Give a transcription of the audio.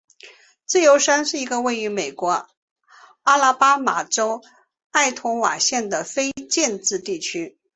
自由山是一个位于美国阿拉巴马州埃托瓦县的非建制地区。